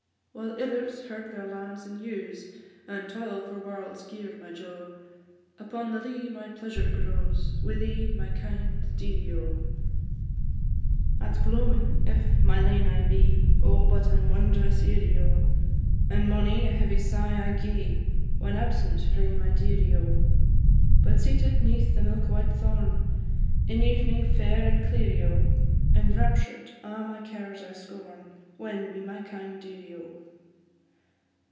While ithers herd their lambs and ewes, And toil for warld's gear, my jo, Upon the lea my pleasure grows, Wi' thee, my kind dearie, O! At gloamin', if my lane I be, Oh, but I'm wondrous eerie, O! And mony a heavy sigh I gie, When absent frae my dearie, O! But seated 'neath the milk white thorn, In ev'ning fair and clearie, O! Enraptured, a' my cares I scorn, When wi' my kind dearie, O!